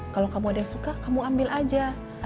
kalau kamu ada yang suka kamu ambil aja